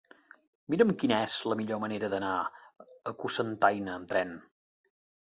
Mira'm quina és la millor manera d'anar a Cocentaina amb tren.